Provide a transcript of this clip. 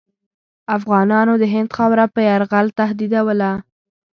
افغانانو د هند خاوره په یرغل تهدیدوله.